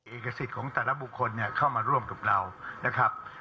เอกสิทธิ์ของแต่ละบุคคลเข้ามาร่วมกับเรานะครับ